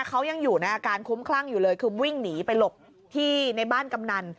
เขายังอยู่ในอาการคุ้มคลั่งอยู่เลยคือวิ่งหนีไปหลบที่ในบ้านกำนัน